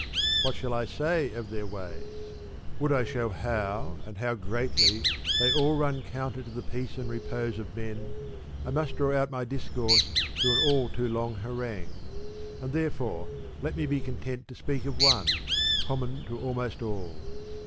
What shall I say of their ways ? Would I show how and how greatly they all run counter to the peace and repose of men, I must draw out my discourse to an all too long harangue ; and therefore let me be content to speak of one, common to almost all.